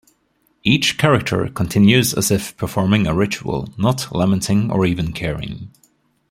Each character continues as if performing a ritual, not lamenting or even caring.